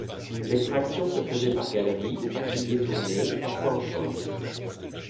L'extraction se faisait par galeries, par piliers tournés, parfois en chambres.